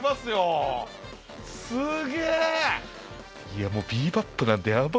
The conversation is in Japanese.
いやもう「ビー・バップ」なんて。